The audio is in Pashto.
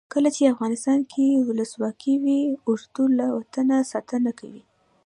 کله چې افغانستان کې ولسواکي وي اردو له وطنه ساتنه کوي.